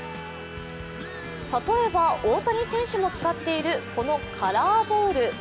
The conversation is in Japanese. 例えば大谷選手も使っているこのカラーボール。